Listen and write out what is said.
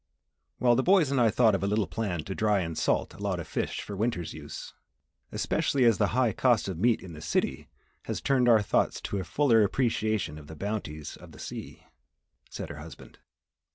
"Well, the boys and I thought of a little plan to dry and salt a lot of fish for winter's use. Especially as the high cost of meat in the city has turned our thoughts to a fuller appreciation of the bounties of the sea," said her husband.